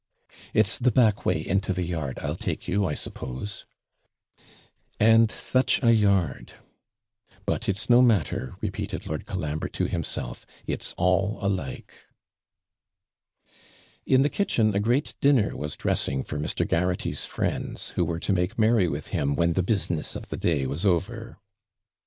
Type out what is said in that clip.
It's the back way into the yard, I'll take you, I suppose.' And such a yard! 'But it's no matter,' repeated Lord Colambre to himself; 'it's all alike.' In the kitchen a great dinner was dressing for Mr. Garraghty's friends, who were to make merry with him when the business of the day was over.